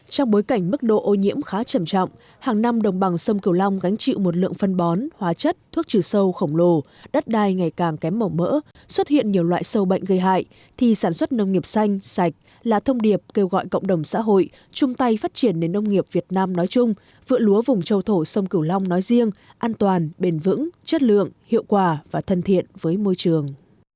trong bối cảnh mức độ ô nhiễm khá trầm trọng hàng năm đồng bằng sông cửu long gánh chịu một lượng phân bón hóa chất thuốc trừ sâu khổng lồ đất đai ngày càng kém mỏng mỡ xuất hiện nhiều loại sâu bệnh gây hại thì sản xuất nông nghiệp xanh sạch là thông điệp kêu gọi cộng đồng xã hội chung tay phát triển đến nông nghiệp việt nam nói chung vựa lúa vùng châu thổ sông cửu long nói riêng an toàn bền vững chất lượng hiệu quả và thân thiện với môi trường